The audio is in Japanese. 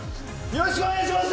よろしくお願いします